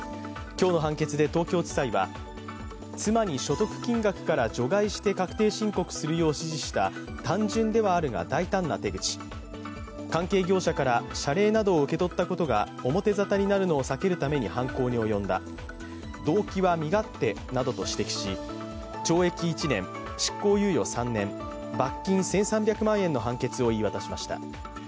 今日の判決で東京地裁は妻に所得金額から除外して確定申告するよう指示した単純ではあるが大胆な手口、関係業者から謝礼などを受け取ったことが表沙汰になることを避けるために犯行に及んだ、動機は身勝手などと指摘し懲役１年、執行猶予３年罰金１３００万円の判決を言い渡しました。